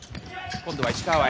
今度は石川へ。